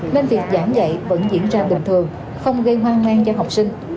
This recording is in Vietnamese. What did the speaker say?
nên việc giảng dạy vẫn diễn ra bình thường không gây hoang mang cho học sinh